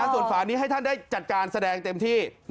ส่วนฝานี้ให้ท่านได้จัดการแสดงเต็มที่